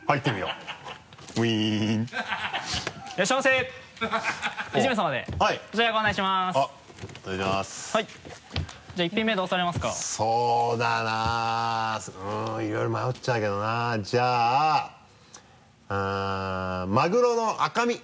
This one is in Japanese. うんいろいろ迷っちゃうけどなじゃあマグロの赤身。